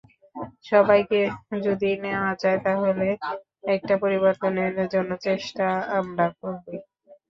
সবাইকে যদি নেওয়া যায় তাহলে একটা পরিবর্তনের জন্য চেষ্টা আমরা করবই।